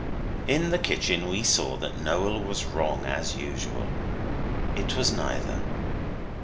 In the kitchen we saw that Noel was wrong as usual. It was neither.